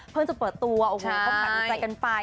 เพิ่งจะเปิดตัวโอ้โหเขากลับหัวใจกันไป